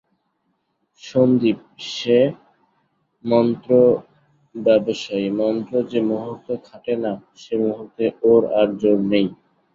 সন্দীপ যে মন্ত্রব্যবসায়ী, মন্ত্র যে-মুহূর্তে খাটে না সে-মুহূর্তেই ওর আর জোর নেই।